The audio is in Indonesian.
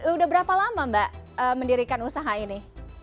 udah berapa lama mbak mendirikan usaha ini